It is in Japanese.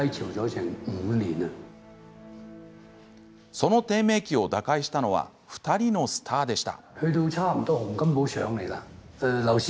その低迷期を打開したのは２人のスターでした。